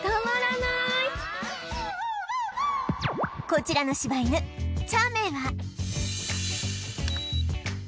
こちらの柴犬ちゃめは